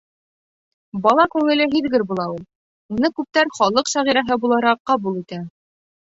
Бала күңеле һиҙгер була ул. Уны күптәр халыҡ шағирәһе булараҡ ҡабул итә.